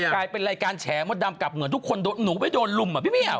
กลายเป็นรายการแชร์หมดดำกับเหนือทุกคนโหนูไปโดนรุมอะพี่เมี๊ยว